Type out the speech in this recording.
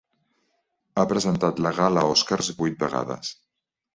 Ha presentat la gala Oscars vuit vegades.